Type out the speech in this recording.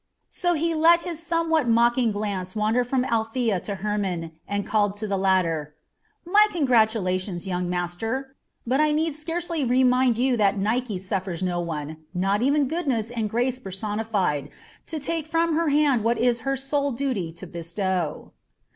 So he let his somewhat mocking glance wander from Althea to Hermon, and called to the latter: "My congratulations, young master; but I need scarcely remind you that Nike suffers no one not even goodness and grace personified to take from her hand what it is her sole duty to bestow."